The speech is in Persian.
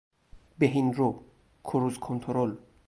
بهین رو، کروز کنترل